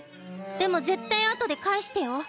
でも絶対後で返してよ。